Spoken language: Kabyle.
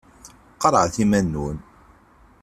Qarɛet iman-nwen.